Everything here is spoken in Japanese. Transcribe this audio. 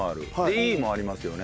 Ｅもありますね。